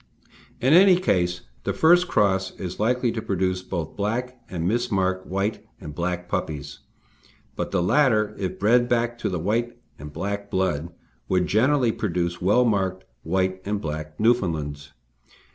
In any case the first cross is likely to produce both black and mis marked white and black puppies; but the latter, if bred back to the white and black blood, would generally produce well marked white and black Newfoundlands.